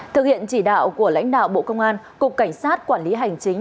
thực hiện chỉ đạo của lãnh đạo bộ công an cục cảnh sát quản lý hành chính